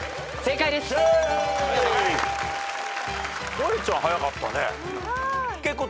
もえちゃん早かったね。